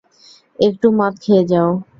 একটু মদ খেয়ে যাও।